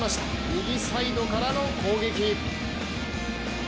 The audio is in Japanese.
右サイドからの攻撃。